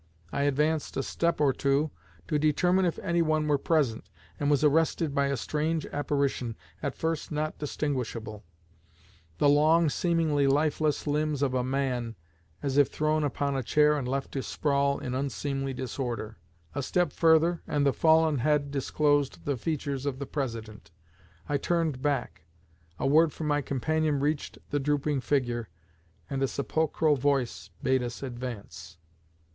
I advanced a step or two, to determine if anyone were present, and was arrested by a strange apparition, at first not distinguishable: the long, seemingly lifeless, limbs of a man, as if thrown upon a chair and left to sprawl in unseemly disorder. A step further, and the fallen head disclosed the features of the President. I turned back; a word from my companion reached the drooping figure, and a sepulchral voice bade us advance.